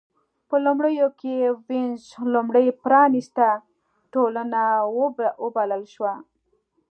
په لومړیو کې وینز لومړۍ پرانېسته ټولنه وبلل شوه.